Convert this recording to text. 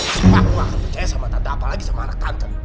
aku nggak akan percaya sama tante apalagi sama anak tante